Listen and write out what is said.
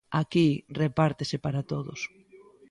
Aquí repártese para todos.